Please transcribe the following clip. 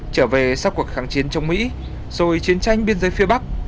trở về sau cuộc kháng chiến chống mỹ rồi chiến tranh biên giới phía bắc